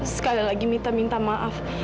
sekali lagi minta minta maaf